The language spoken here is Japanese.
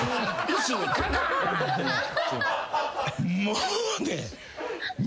もうね。